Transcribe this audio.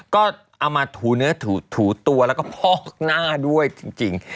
ก็เอามาถูเนื้อถูตัวแล้วก็พอกหน้าด้วยจริง